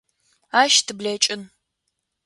Ащ тыблэкӏын.